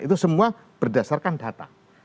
itu semua berdasarkan data